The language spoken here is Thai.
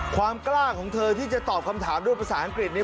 ความกล้าของเธอที่จะตอบคำถามด้วยภาษาอังกฤษนี้